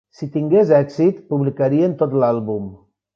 Si tingués èxit, publicarien tot l'àlbum.